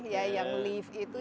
ya yang leaf itu